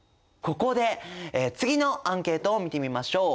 ここで次のアンケートを見てみましょう。